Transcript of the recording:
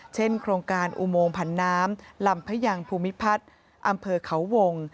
โครงการอุโมงผันน้ำลำพะยังภูมิพัฒน์อำเภอเขาวง